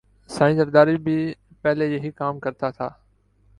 سائیں زرداری بھی پہلے یہئ کام کرتا تھا